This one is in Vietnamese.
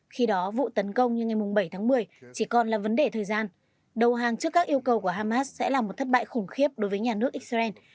khi đó vụ tấn công như ngày bảy tháng một mươi chỉ còn là vấn đề thời gian đầu hàng trước các yêu cầu của hamas sẽ là một thất bại khủng khiếp đối với nhà nước israel